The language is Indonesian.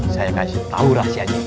saya kasih tau rahasianya